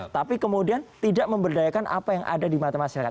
tapi kemudian tidak memberdayakan apa yang ada di mata masyarakat